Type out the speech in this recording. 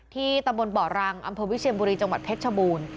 ตำบลบ่อรังอำเภอวิเชียนบุรีจังหวัดเพชรชบูรณ์